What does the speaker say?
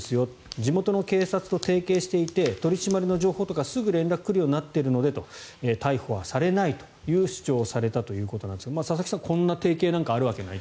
地元の警察と提携していて取り締まりの情報とかすぐに来るようになっているので逮捕はされないという主張をされたということなんですが佐々木さん、こんな提携なんかあるわけないと。